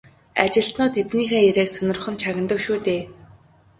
Ажилтнууд эзнийхээ яриаг сонирхон чагнадаг шүү дээ.